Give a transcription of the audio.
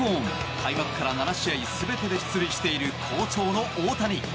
開幕から７試合全てで出塁している好調の大谷。